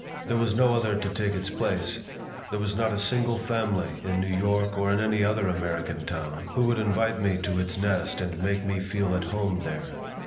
There was no other to take its place. There was not a single family in New York or in any other American town who would invite me to its nest and make me feel at home there.